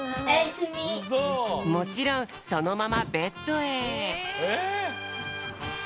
もちろんそのままベッドへ。